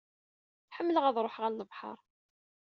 Ḥemmleɣ ad ṛuḥeɣ ɣer lebḥeṛ.